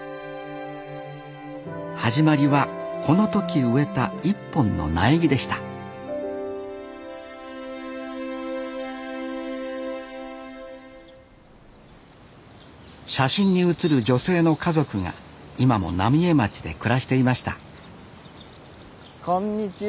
始まりはこの時植えた１本の苗木でした写真に写る女性の家族が今も浪江町で暮らしていましたこんにちは。